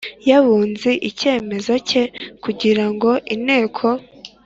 y Abunzi icyemezo cye kugira ngo Inteko